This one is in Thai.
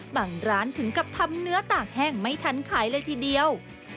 ร้านถึงกับทำเนื้อตากแห้งไม่ทันขายเลยทีเดียว